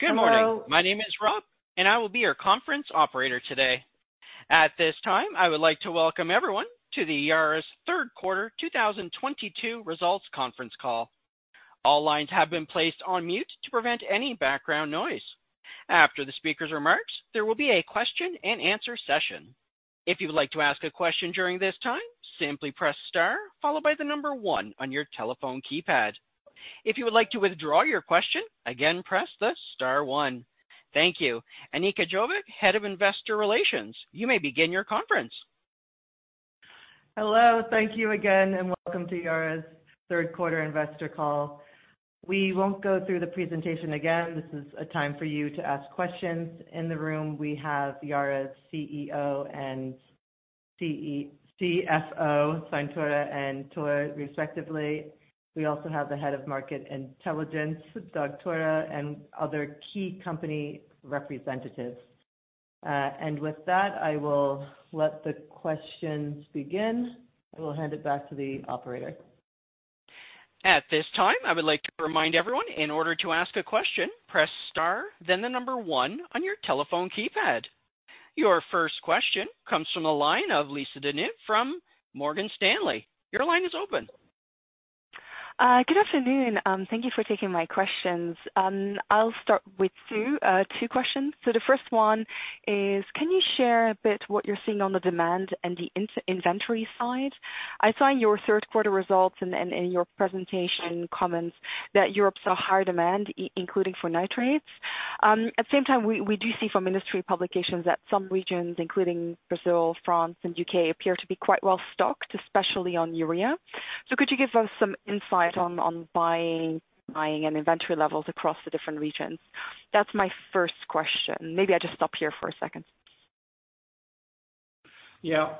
Good morning. My name is Rob, and I will be your conference operator today. At this time, I would like to welcome everyone to Yara's third quarter 2022 results conference call. All lines have been placed on mute to prevent any background noise. After the speaker's remarks, there will be a question-and-answer session. If you would like to ask a question during this time, simply press star followed by the number one on your telephone keypad. If you would like to withdraw your question, again, press the star one. Thank you. Anika Jovik, Head of Investor Relations, you may begin your conference. Hello. Thank you again, and welcome to Yara's third quarter investor call. We won't go through the presentation again. This is a time for you to ask questions. In the room, we have Yara's CEO and CFO, Svein Tore and Thor, respectively. We also have the head of market intelligence, Dag Tore, and other key company representatives. With that, I will let the questions begin. I will hand it back to the operator. At this time, I would like to remind everyone, in order to ask a question, press star, then the number one on your telephone keypad. Your first question comes from the line of Lisa De Neve from Morgan Stanley. Your line is open. Good afternoon. Thank you for taking my questions. I'll start with two questions. The first one is, can you share a bit what you're seeing on the demand and the inventory side? I saw in your third quarter results and in your presentation comments that Europe saw higher demand, including for nitrates. At the same time, we do see from industry publications that some regions, including Brazil, France, and UK, appear to be quite well stocked, especially on urea. Could you give us some insight on buying and inventory levels across the different regions? That's my first question. Maybe I just stop here for a second. Yeah.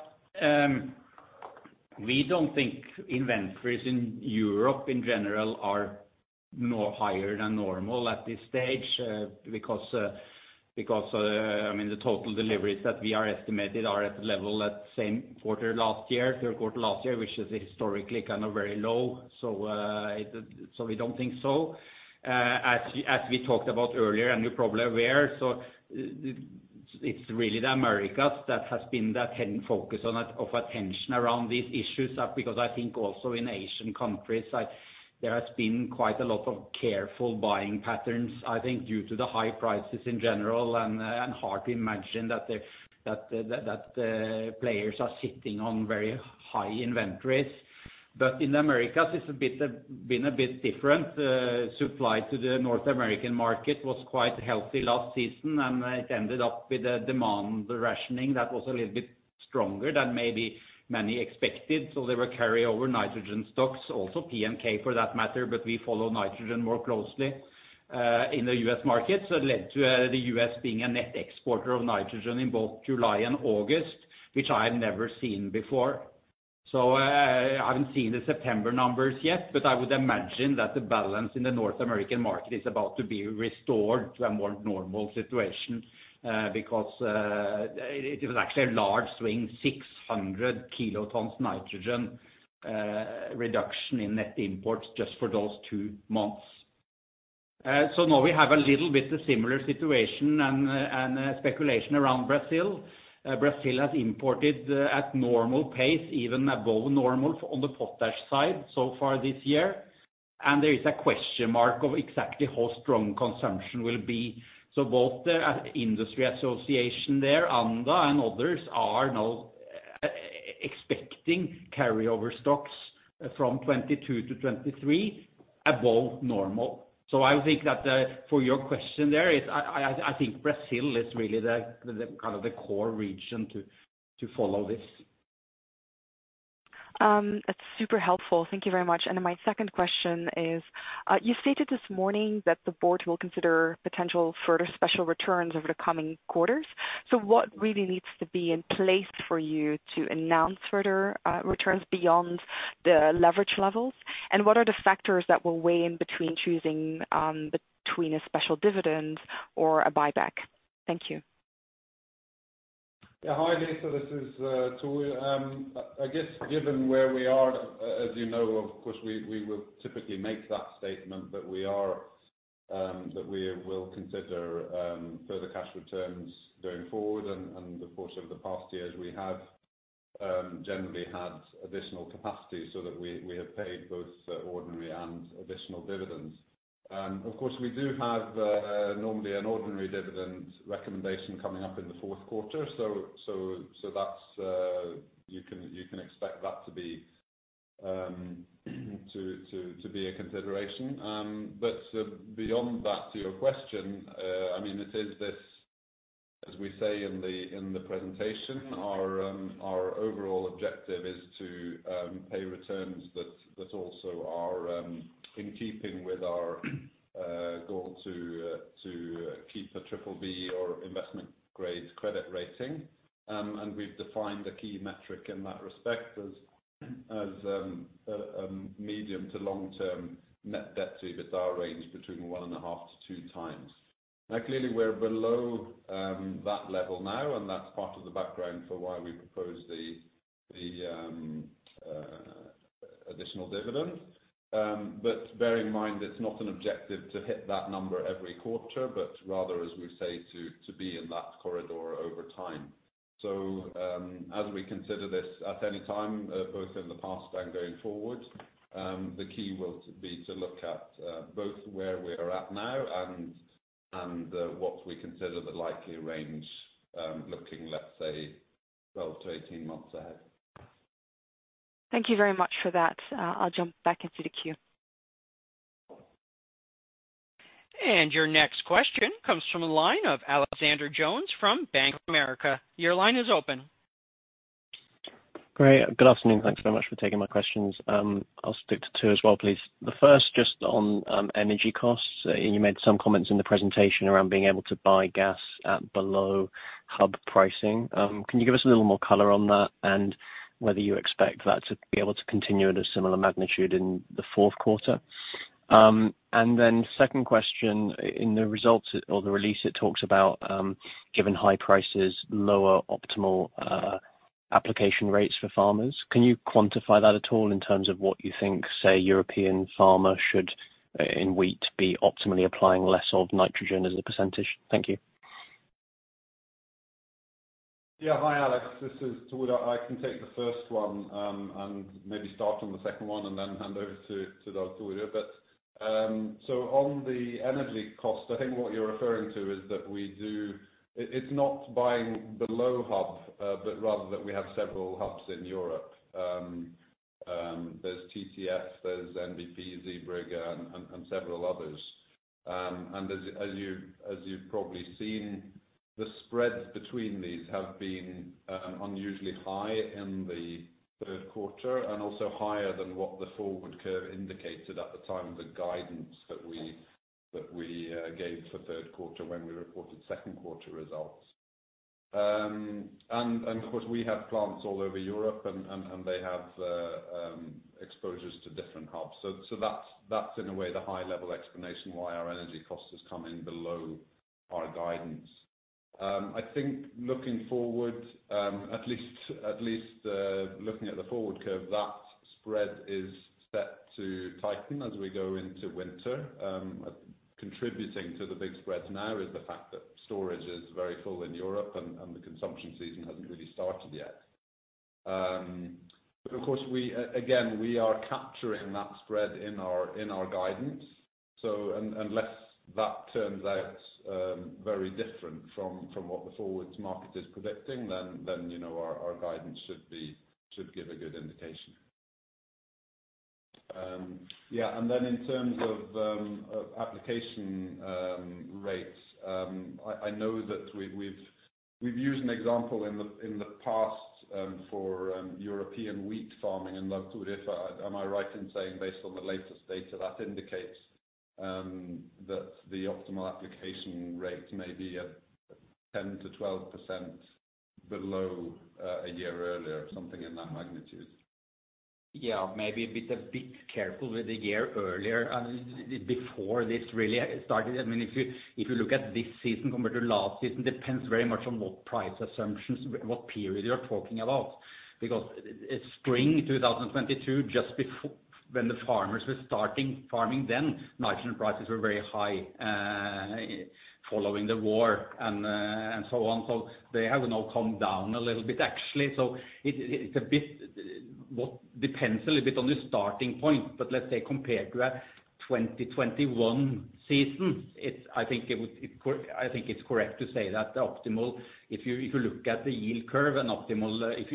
We don't think inventories in Europe in general are no higher than normal at this stage, because, I mean, the total deliveries that we are estimated are at the level at same quarter last year, third quarter last year, which is historically kind of very low. We don't think so. As we talked about earlier, and you're probably aware, it's really the Americas that has been that hidden focus of attention around these issues. Because I think also in Asian countries, like, there has been quite a lot of careful buying patterns, I think due to the high prices in general and hard to imagine that the players are sitting on very high inventories. But in the Americas, it's been a bit different. Supply to the North American market was quite healthy last season, and it ended up with a demand rationing that was a little bit stronger than maybe many expected. There were carryover nitrogen stocks, also NPK for that matter, but we follow nitrogen more closely in the US market. It led to the US being a net exporter of nitrogen in both July and August, which I have never seen before. I haven't seen the September numbers yet, but I would imagine that the balance in the North American market is about to be restored to a more normal situation because it was actually a large swing, 600 kilotons nitrogen reduction in net imports just for those two months. Now we have a little bit of similar situation and speculation around Brazil. Brazil has imported at normal pace, even above normal on the potash side so far this year. There is a question mark of exactly how strong consumption will be. Both the industry association there, ANDA, and others are now expecting carryover stocks from 2022 to 2023 above normal. I would think that, for your question, I think Brazil is really the kind of core region to follow this. That's super helpful. Thank you very much. My second question is, you stated this morning that the board will consider potential further special returns over the coming quarters. What really needs to be in place for you to announce further returns beyond the leverage levels? What are the factors that will weigh in between choosing between a special dividend or a buyback? Thank you. Yeah. Hi, Lisa. This is Thor. I guess given where we are, as you know, of course, we will typically make that statement that we will consider further cash returns going forward. Of course, over the past years, we have generally had additional capacity so that we have paid both ordinary and additional dividends. Of course, we do have normally an ordinary dividend recommendation coming up in the fourth quarter. You can expect that to be a consideration. Beyond that, to your question, I mean, it is this, as we say in the presentation, our overall objective is to pay returns that also are in keeping with our goal to keep a BBB or investment grade credit rating. We've defined the key metric in that respect as a medium to long-term net debt to EBITDA range between 1.5-2x. Now, clearly, we're below that level now, and that's part of the background for why we propose the additional dividend. Bear in mind it's not an objective to hit that number every quarter, but rather, as we say, to be in that corridor over time. As we consider this at any time, both in the past and going forward, the key will be to look at both where we are at now and what we consider the likely range, looking, let's say 12-18 months ahead. Thank you very much for that. I'll jump back into the queue. Your next question comes from a line of Alexander Jones from Bank of America. Your line is open. Great. Good afternoon. Thanks very much for taking my questions. I'll stick to two as well, please. The first, just on energy costs. You made some comments in the presentation around being able to buy gas at below hub pricing. Can you give us a little more color on that and whether you expect that to be able to continue at a similar magnitude in the fourth quarter? And then second question. In the results or the release, it talks about, given high prices, lower optimal application rates for farmers. Can you quantify that at all in terms of what you think, say, European farmers should in wheat be optimally applying less of nitrogen as a percentage? Thank you. Yeah. Hi, Alexander. This is Thor. I can take the first one, and maybe start on the second one and then hand over to Dag Tore. On the energy cost, I think what you're referring to is that we do. It's not buying below hub, but rather that we have several hubs in Europe. There's TTF, there's NBP, Zeebrugge, and several others. And as you've probably seen, the spreads between these have been unusually high in the third quarter and also higher than what the forward curve indicated at the time of the guidance that we gave for third quarter when we reported second quarter results. And of course we have plants all over Europe and they have exposures to different hubs. That's in a way the high level explanation why our energy cost has come in below our guidance. I think looking forward, at least looking at the forward curve, that spread is set to tighten as we go into winter. Contributing to the big spreads now is the fact that storage is very full in Europe and the consumption season hasn't really started yet. But of course we again are capturing that spread in our guidance. Unless that turns out very different from what the forward market is predicting, then you know, our guidance should give a good indication. Yeah. In terms of application rates, I know that we've used an example in the past for European wheat farming and urea. Am I right in saying based on the latest data that indicates that the optimal application rate may be at 10%-12% below a year earlier or something in that magnitude? Yeah, maybe be a bit careful with the year earlier. Before this really started, I mean, if you look at this season compared to last season, it depends very much on what price assumptions, what period you're talking about. Because spring 2022, just before when the farmers were starting farming then, nitrogen prices were very high, following the war and so on. They have now come down a little bit actually. It depends a little bit on the starting point. Let's say compared to a 2021 season, I think it's correct to say that the optimal, if you look at the yield curve, an optimal, if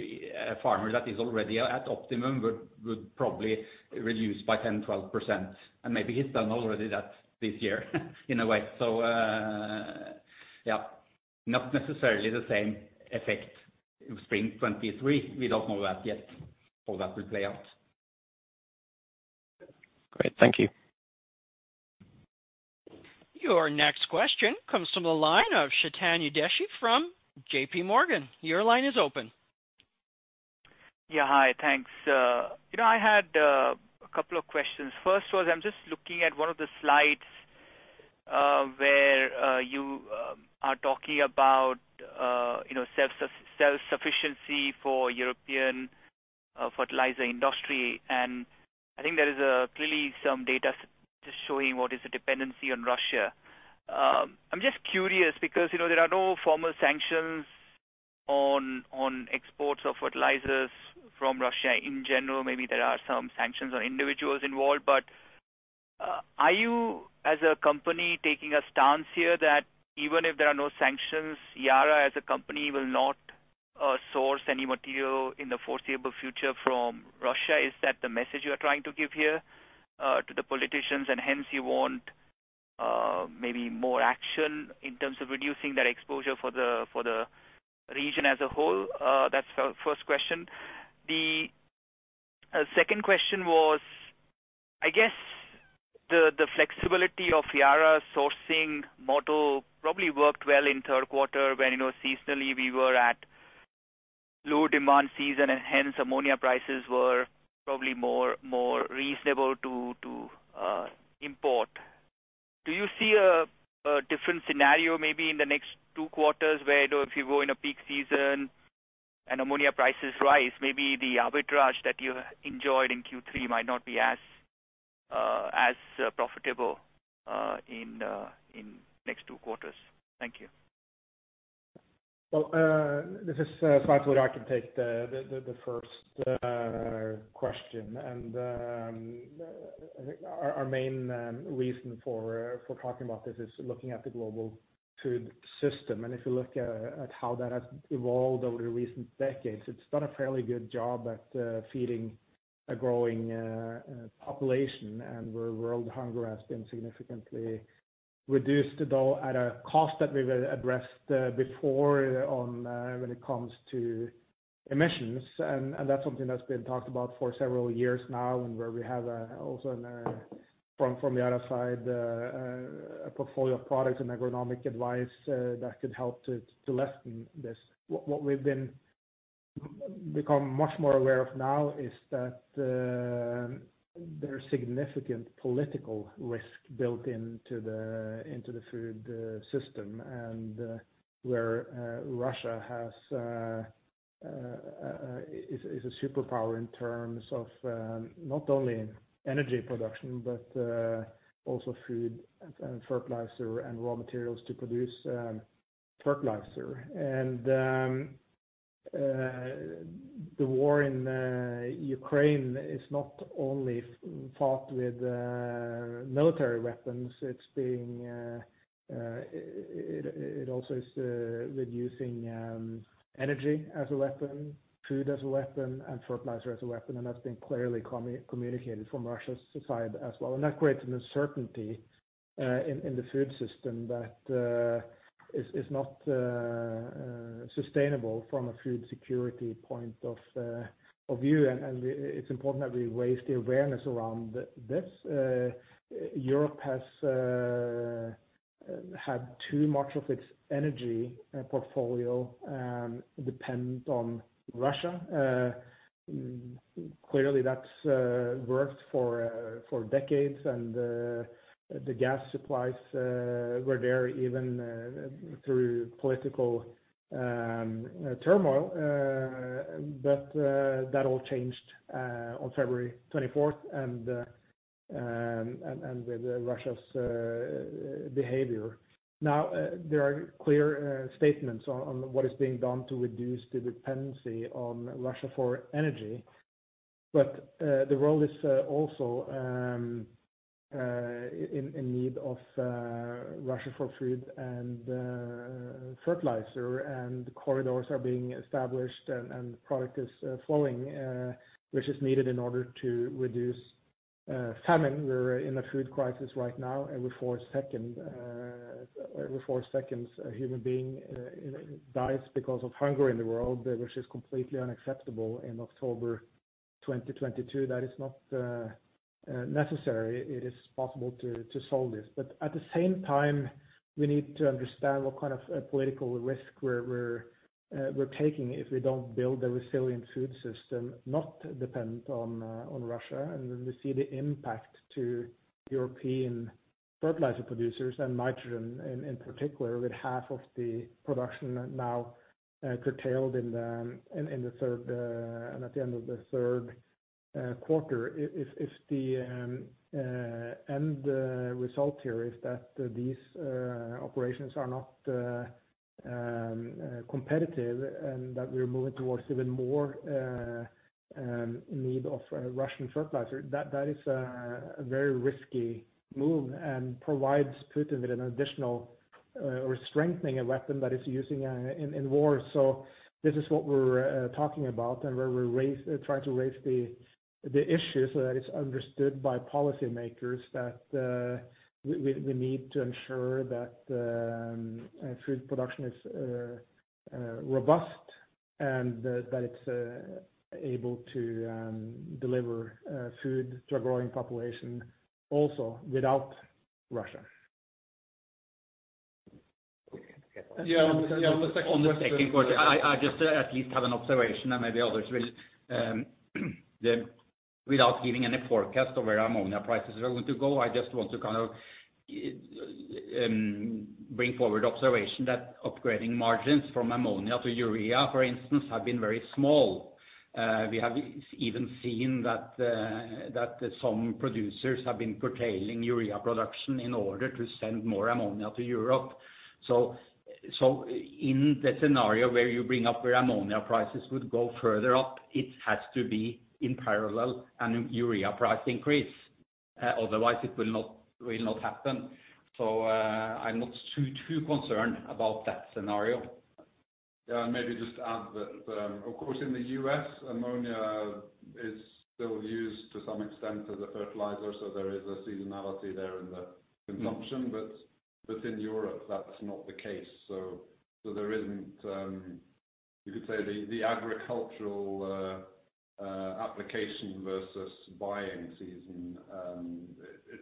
a farmer that is already at optimum would probably reduce by 10-12%. Maybe he's done already that this year in a way. Yeah. Not necessarily the same effect in spring 2023. We don't know that yet, how that will play out. Great. Thank you. Your next question comes from the line of Chetan Sangoram from J.P. Morgan. Your line is open. Yeah. Hi. Thanks. You know I had a couple of questions. First was, I'm just looking at one of the slides, where you are talking about you know, self-sufficiency for European fertilizer industry. I think there is clearly some data just showing what is the dependency on Russia. I'm just curious because you know, there are no formal sanctions on exports of fertilizers from Russia in general. Maybe there are some sanctions on individuals involved. Are you as a company taking a stance here that even if there are no sanctions, Yara as a company will not source any material in the foreseeable future from Russia? Is that the message you are trying to give here, to the politicians and hence you want, maybe more action in terms of reducing that exposure for the region as a whole? That's the first question. The second question was, I guess the flexibility of Yara sourcing model probably worked well in third quarter when, you know, seasonally we were at low demand season and hence ammonia prices were probably more reasonable to import. Do you see a different scenario maybe in the next two quarters where, you know, if you go in a peak season and ammonia prices rise, maybe the arbitrage that you enjoyed in Q3 might not be as profitable in next two quarters? Thank you. Well, this is Svein Tore. I can take the first question. Our main reason for talking about this is looking at the global food system. If you look at how that has evolved over the recent decades, it's done a fairly good job at feeding a growing population, and where world hunger has been significantly reduced, though at a cost that we've addressed before on when it comes to emissions. That's something that's been talked about for several years now, and where we have also an from the other side a portfolio of products and agronomic advice that could help to lessen this. What we've become much more aware of now is that there are significant political risk built into the food system, and where Russia is a superpower in terms of not only energy production, but also food and fertilizer and raw materials to produce fertilizer. The war in Ukraine is not only fought with military weapons. It also is with using energy as a weapon, food as a weapon, and fertilizer as a weapon, and that's been clearly communicated from Russia's side as well. That creates an uncertainty in the food system that is not sustainable from a food security point of view. It's important that we raise the awareness around this. Europe has had too much of its energy portfolio dependent on Russia. Clearly that's worked for decades and the gas supplies were there even through political turmoil. That all changed on February Twenty-Fourth and with Russia's behavior. Now there are clear statements on what is being done to reduce the dependency on Russia for energy. The world is also in need of Russia for food and fertilizer, and corridors are being established and product is flowing, which is needed in order to reduce famine. We're in a food crisis right now. Every four seconds, a human being dies because of hunger in the world, which is completely unacceptable in October 2022. That is not necessary. It is possible to solve this. At the same time, we need to understand what kind of political risk we're taking if we don't build a resilient food system not dependent on Russia. We see the impact to European fertilizer producers and nitrogen in particular, with half of the production now curtailed in the third and at the end of the third quarter. If the end result here is that these operations are not competitive and that we're moving towards even more need of Russian fertilizer, that is a very risky move and provides Putin with an additional or strengthening a weapon that he's using in war. This is what we're talking about and where we're trying to raise the issue so that it's understood by policymakers that we need to ensure that food production is robust and that it's able to deliver food to a growing population also without Russia. Yeah, on the second question, I just at least have an observation and maybe others will, without giving any forecast of where ammonia prices are going to go, I just want to kind of bring forward observation that upgrading margins from ammonia to urea, for instance, have been very small. We have even seen that some producers have been curtailing urea production in order to send more ammonia to Europe. In the scenario where you bring up where ammonia prices would go further up, it has to be in parallel and urea price increase, otherwise it will not happen. I'm not too concerned about that scenario. Yeah. Maybe just add that, of course, in the U.S., ammonia is still used to some extent as a fertilizer, so there is a seasonality there in the consumption. In Europe, that's not the case. There isn't. You could say the agricultural application versus buying season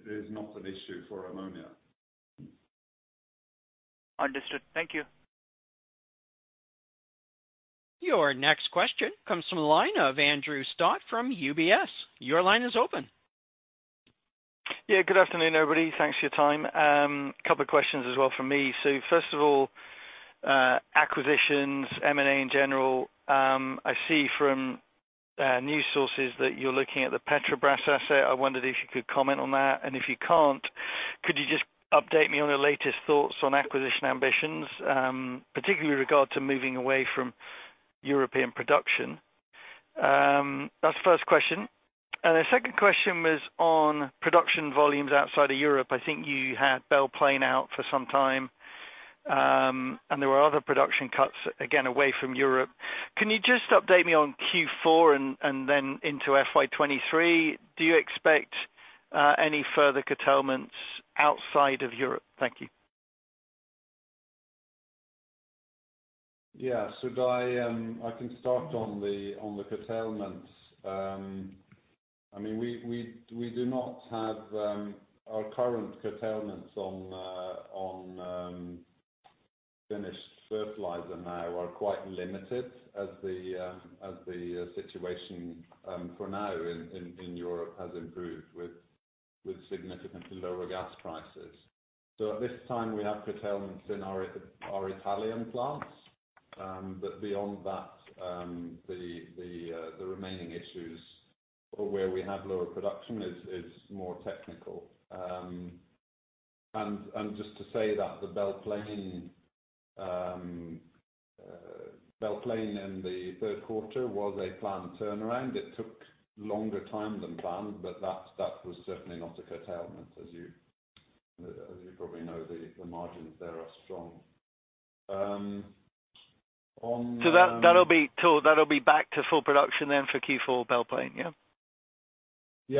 is not an issue for ammonia. Understood. Thank you. Your next question comes from the line of Andrew Stott from UBS. Your line is open. Yeah. Good afternoon, everybody. Thanks for your time. Couple of questions as well from me. First of all, acquisitions, M&A in general, I see from news sources that you're looking at the Petrobras asset. I wondered if you could comment on that. If you can't, could you just update me on your latest thoughts on acquisition ambitions, particularly regard to moving away from European production? That's the first question. The second question was on production volumes outside of Europe. I think you had Belle Plaine out for some time, and there were other production cuts, again, away from Europe. Can you just update me on Q4 and then into FY 2023? Do you expect any further curtailments outside of Europe? Thank you. I can start on the curtailments. I mean, we do not have our current curtailments on finished fertilizer now are quite limited as the situation for now in Europe has improved with significantly lower gas prices. At this time, we have curtailments in our Italian plants. But beyond that, the remaining issues where we have lower production is more technical. Just to say that the Belle Plaine in the third quarter was a planned turnaround. It took longer time than planned, but that was certainly not a curtailment. As you probably know, the margins there are strong. That'll be back to full production then for Q4 Belle Plaine, yeah?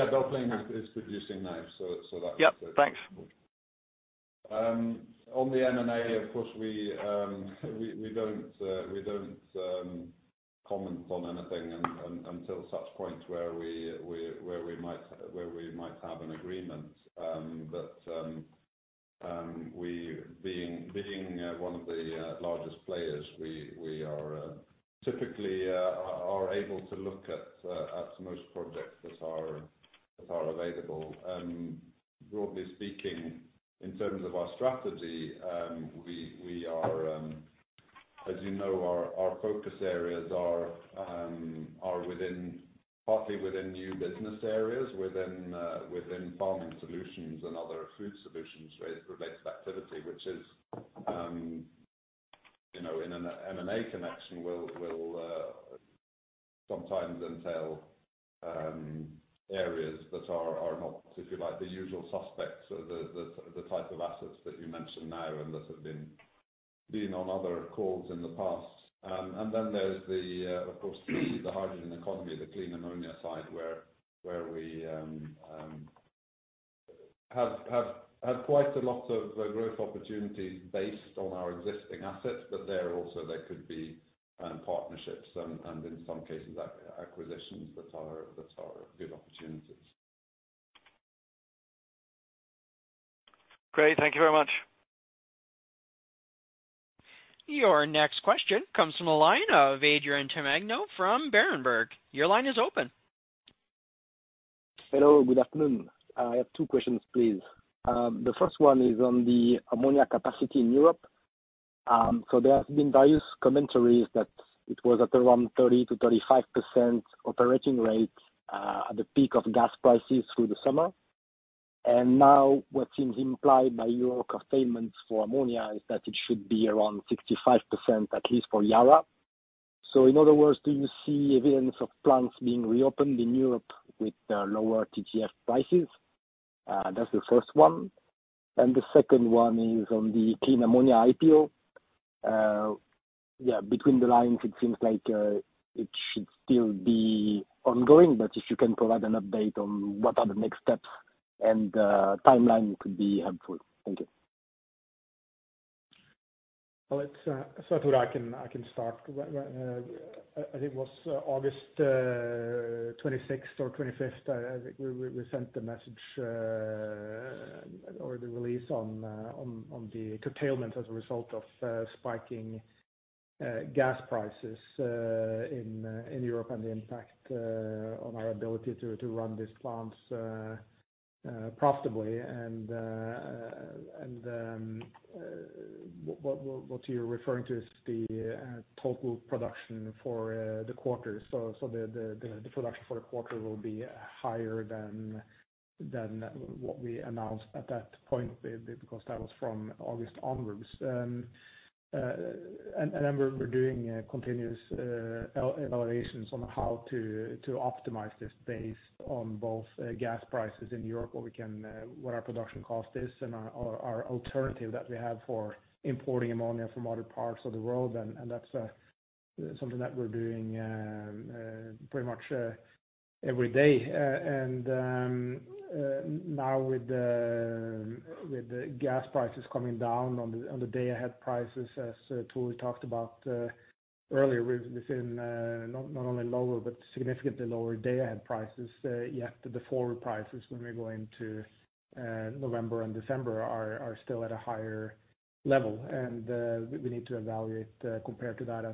Belle Plaine is producing now, so that's. Yep. Thanks. On the M&A, of course, we don't comment on anything until such point where we might have an agreement. We being one of the largest players, we are typically able to look at most projects that are available. Broadly speaking, in terms of our strategy, we are, as you know, our focus areas are partly within new business areas, within farming solutions and other food solutions related activity, which is, you know, in an M&A connection, will sometimes entail areas that are not, if you like, the usual suspects of the type of assets that you mentioned now and that have been on other calls in the past. Then there's, of course, the hydrogen economy, the clean ammonia side where we have quite a lot of growth opportunities based on our existing assets. There also could be partnerships and, in some cases, acquisitions that are good opportunities. Great. Thank you very much. Your next question comes from a line of Aron Ceccarelli from Berenberg. Your line is open. Hello. Good afternoon. I have two questions, please. The first one is on the ammonia capacity in Europe. There has been various commentaries that it was at around 30%-35% operating rate, at the peak of gas prices through the summer. Now what seems implied by Europe curtailments for ammonia is that it should be around 65%, at least for Yara. In other words, do you see evidence of plants being reopened in Europe with lower TTF prices? That's the first one. The second one is on the clean ammonia IPO. Yeah, between the lines, it seems like it should still be ongoing, but if you can provide an update on what are the next steps and timeline could be helpful. Thank you. Well, I thought I can start. I think it was August 26th or 25th. I think we sent the message or the release on the curtailment as a result of spiking gas prices in Europe and the impact on our ability to run these plants profitably. What you're referring to is the total production for the quarter. The production for the quarter will be higher than what we announced at that point because that was from August onwards. We're doing continuous evaluations on how to optimize this based on both gas prices in Europe, what our production cost is and our alternative that we have for importing ammonia from other parts of the world. That's something that we're doing pretty much every day. Now with the gas prices coming down on the day ahead prices, as Thor talked about earlier. Not only lower, but significantly lower day ahead prices. Yet the forward prices when we go into November and December are still at a higher level. We need to evaluate compared to that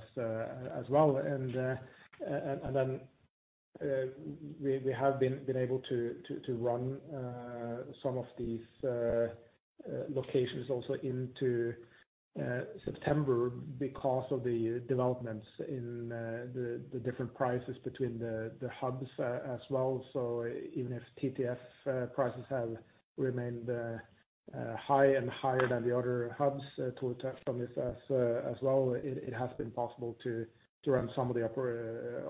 as well. We have been able to run some of these locations also into September because of the developments in the different prices between the hubs as well. Even if TTF prices have remained high and higher than the other hubs to take advantage of this as well, it has been possible to run some of the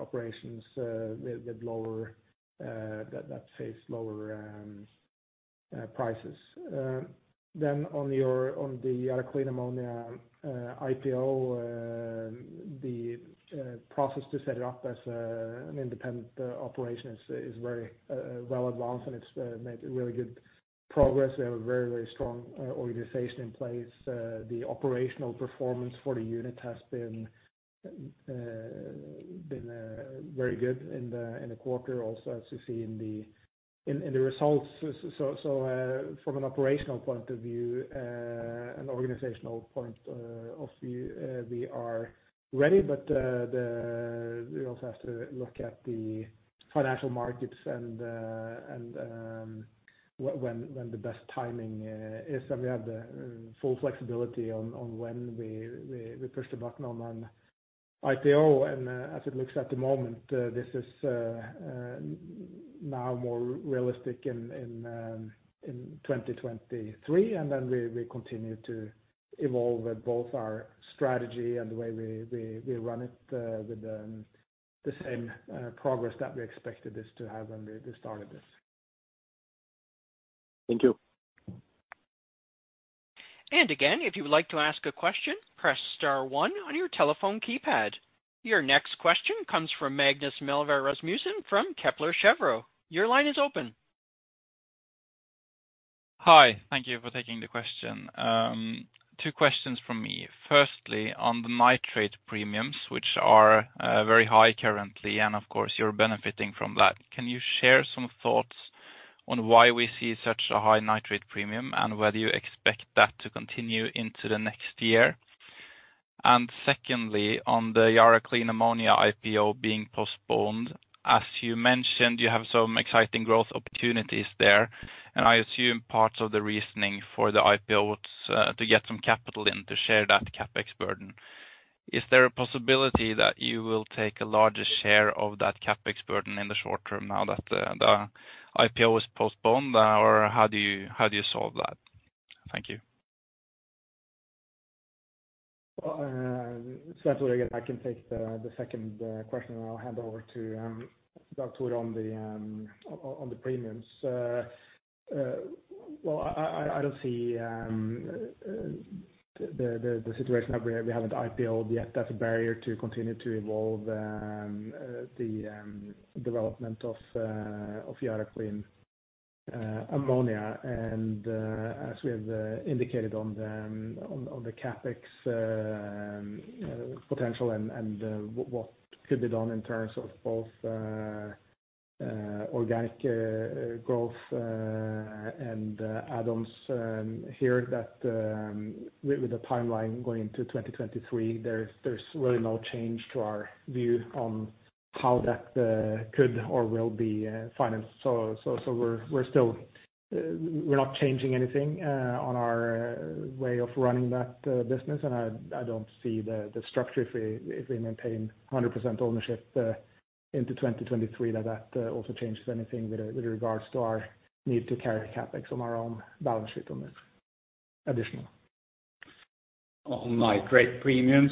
operations with lower gas prices. On the Yara Clean Ammonia IPO, the process to set it up as an independent operation is very well advanced, and it's made really good progress. We have a very, very strong organization in place. The operational performance for the unit has been very good in the quarter also, as you see in the results. From an operational point of view, an organizational point of view, we are ready. We also have to look at the financial markets and the best timing is. We have the full flexibility on when we push the button on IPO. As it looks at the moment, this is now more realistic in 2023. Then we continue to evolve both our strategy and the way we run it with the same progress that we expected this to have when we started this. Thank you. Again, if you would like to ask a question, press star one on your telephone keypad. Your next question comes from Magnus Rasmussen from Kepler Cheuvreux. Your line is open. Hi. Thank you for taking the question. Two questions from me. Firstly, on the nitrate premiums, which are very high currently, and of course, you're benefiting from that. Can you share some thoughts on why we see such a high nitrate premium, and whether you expect that to continue into the next year? Secondly, on the Yara Clean Ammonia IPO being postponed, as you mentioned, you have some exciting growth opportunities there, and I assume parts of the reasoning for the IPO was to get some capital in to share that CapEx burden. Is there a possibility that you will take a larger share of that CapEx burden in the short term now that the IPO is postponed, or how do you solve that? Thank you. That's where, again, I can take the second question, and I'll hand over to Dag Tore on the premiums. Well, I don't see the situation that we haven't IPO'd yet, that's a barrier to continue to evolve the development of Yara Clean Ammonia. As we have indicated on the CapEx potential and what could be done in terms of both organic growth and add-ons here that with the timeline going into 2023, there's really no change to our view on how that could or will be financed. We're not changing anything on our way of running that business. I don't see the structure if we maintain 100% ownership into 2023, that also changes anything with regards to our need to carry CapEx on our own balance sheet on this additional. On nitrate premiums,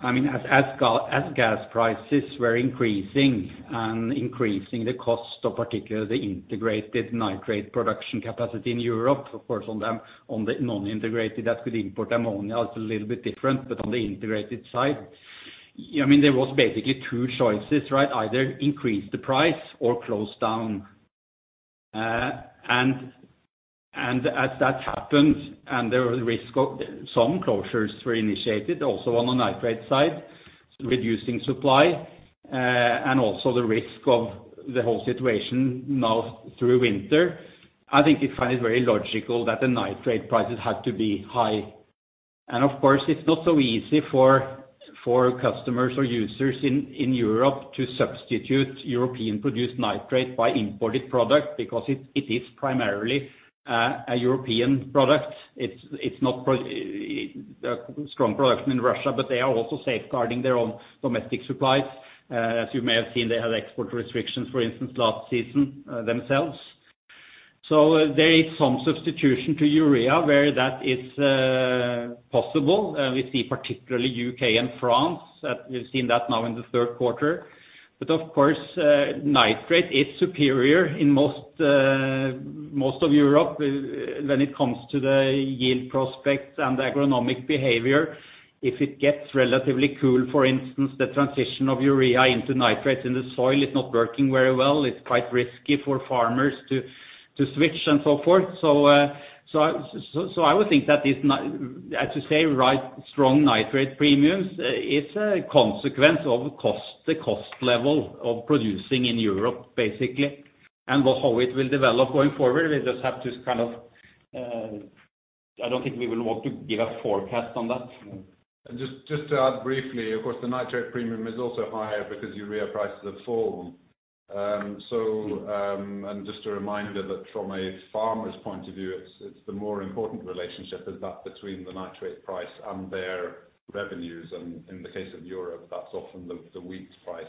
I mean, as gas prices were increasing the cost of particularly the integrated nitrate production capacity in Europe, of course, on the non-integrated that could import ammonia, it's a little bit different. On the integrated side, I mean, there was basically two choices, right? Either increase the price or close down. As that happened, there was risk, some closures were initiated also on the nitrate side, reducing supply, and also the risk of the whole situation now through winter. I think you find it very logical that the nitrate prices had to be high. Of course, it's not so easy for customers or users in Europe to substitute European-produced nitrate by imported product because it is primarily a European product. It's not strong production in Russia, but they are also safeguarding their own domestic supplies. As you may have seen, they have export restrictions, for instance, last season, themselves. There is some substitution to urea, where that is possible. We see particularly UK and France. We've seen that now in the third quarter. Of course, nitrate is superior in most of Europe when it comes to the yield prospects and the agronomic behavior. If it gets relatively cool, for instance, the transition of urea into nitrates in the soil is not working very well. It's quite risky for farmers to switch and so forth. I would think that is ni- As you say, right, strong nitrate premiums is a consequence of cost, the cost level of producing in Europe, basically, and how it will develop going forward, we just have to kind of. I don't think we will want to give a forecast on that. Just to add briefly, of course, the nitrate premium is also higher because urea prices have fallen. Just a reminder that from a farmer's point of view, it's the more important relationship is that between the nitrate price and their revenues. In the case of Europe, that's often the wheat price.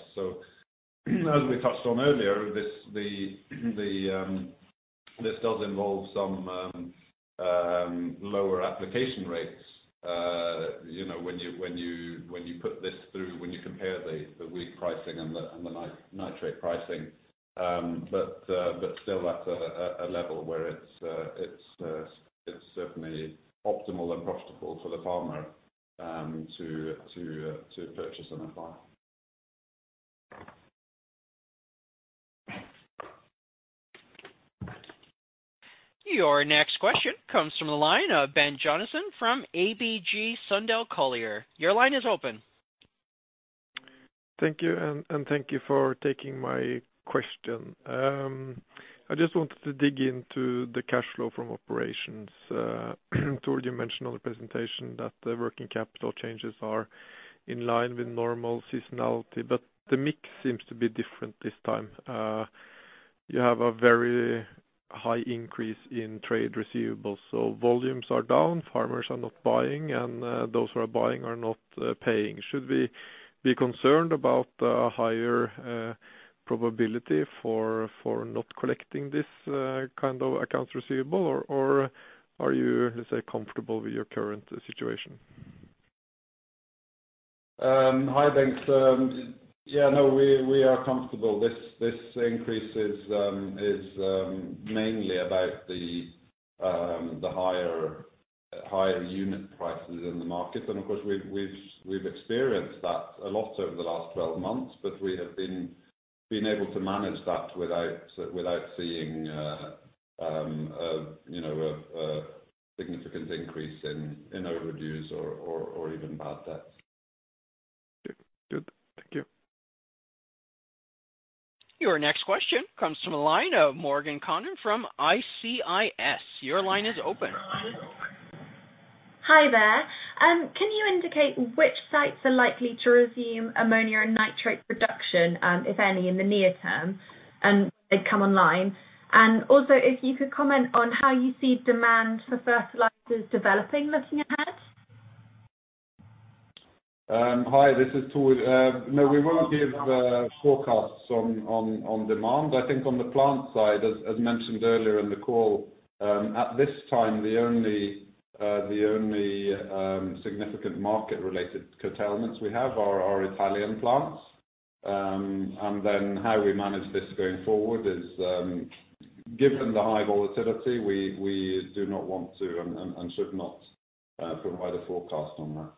As we touched on earlier, this does involve some lower application rates. You know, when you put this through, when you compare the wheat pricing and the nitrate pricing. But still that's a level where it's certainly optimal and profitable for the farmer to purchase an NPK. Your next question comes from the line of Bengt Jonassen from ABG Sundal Collier. Your line is open. Thank you, and thank you for taking my question. I just wanted to dig into the cash flow from operations. Thor, you mentioned on the presentation that the working capital changes are in line with normal seasonality, but the mix seems to be different this time. You have a very high increase in trade receivables, so volumes are down, farmers are not buying, and those who are buying are not paying. Should we be concerned about the higher probability for not collecting this kind of accounts receivable or are you, let's say, comfortable with your current situation? Hi, thanks. Yeah, no, we are comfortable. This increase is mainly about the higher unit prices in the market. Of course, we've experienced that a lot over the last 12 months, but we have been able to manage that without seeing a, you know, a significant increase in overdues or even bad debts. Good. Thank you. Your next question comes from a line of Morgan Conan from ICIS. Your line is open. Hi there. Can you indicate which sites are likely to resume ammonia and nitrate production, if any, in the near term, and they come online? Also if you could comment on how you see demand for fertilizers developing looking ahead. Hi, this is Thor. No, we won't give forecasts on demand. I think on the plant side, as mentioned earlier in the call, at this time, the only significant market related curtailments we have are our Italian plants. Then how we manage this going forward is, given the high volatility, we do not want to and should not provide a forecast on that.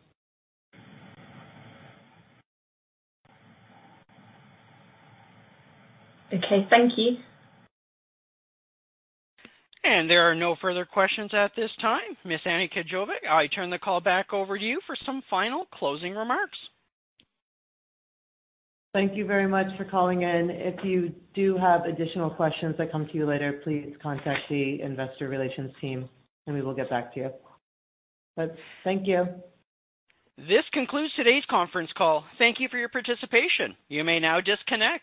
Okay. Thank you. There are no further questions at this time. Ms. Anika Jovik, I turn the call back over to you for some final closing remarks. Thank you very much for calling in. If you do have additional questions that come to you later, please contact the investor relations team, and we will get back to you. Thank you. This concludes today's conference call. Thank you for your participation. You may now disconnect.